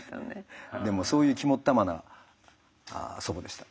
でもそういう肝っ玉な祖母でした。